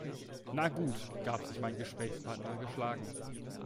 "Na gut", gab sich mein Gesprächspartner geschlagen.